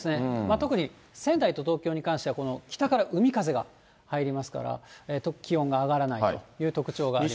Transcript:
特に仙台と東京に関しては、この北から海風が入りますから、気温が上がらないという特徴があります。